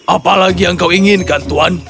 apa lagi yang kau inginkan tuan